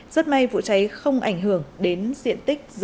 rất may vụ cháy không ảnh hưởng